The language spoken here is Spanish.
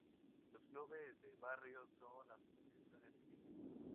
Los clubes de barrio son asociaciones civiles.